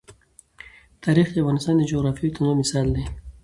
تاریخ د افغانستان د جغرافیوي تنوع مثال دی.